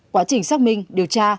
quá trình xác minh điều tra